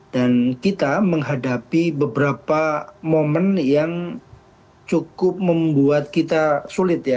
dan kita menghadapi beberapa momen yang cukup membuat kita sulit ya